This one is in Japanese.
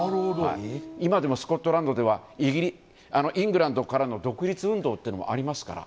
今でもスコットランドではイングランドからの独立運動というのもありますから。